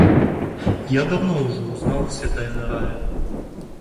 Я давно уже узнал все тайны рая.